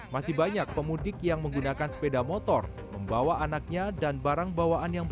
masih banyak pemudik yang menggunakan sepeda motor membawa anaknya dan barang bawaan yang